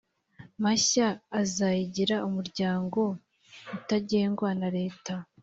mashya azayigira umuryango utagengwa na leta